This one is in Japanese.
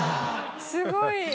すごい。